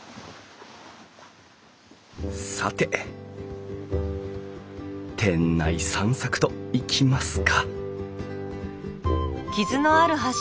さて店内散策といきますか